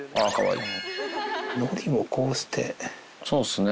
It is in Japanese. そうですね。